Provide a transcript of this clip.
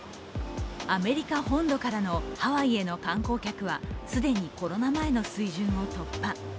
アメリカ本土からのハワイへの観光客は既にコロナ前の水準を突破。